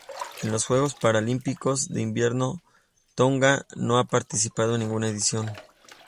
En los Juegos Paralímpicos de Invierno Tonga no ha participado en ninguna edición.